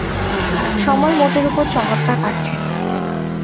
সময় মোটের উপর চমৎকার কাটছে।